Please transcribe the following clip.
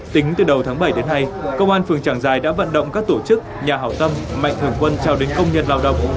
tính từ đầu tháng bảy đến nay công an phường trảng giải đã vận động các tổ chức nhà hảo tâm mạnh thường quân trao đến công nhân lao động